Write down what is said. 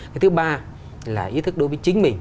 cái thứ ba là ý thức đối với chính mình